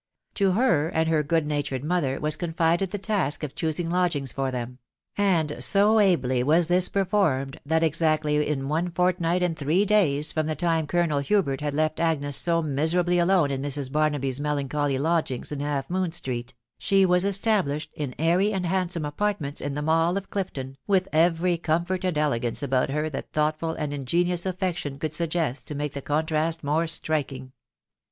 To her, and her good natured mother, was confided the task of choosing lodgings for them ; and so ably was this per formed, that exactly in one fortnight and three days from the time Colonel Hubert had left Agnes so miserably alone in Mrs. Barnaby's melancholy lodgings in Half Moon Street, she was established in airy and handsome apartments in the Mall of Clifton, with every comfort and elegance about her that thoughtful and ingenious affection could suggest to make the contrast more striking.